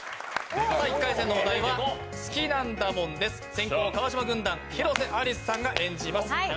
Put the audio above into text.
先攻、川島軍団、広瀬アリスさんが演じます。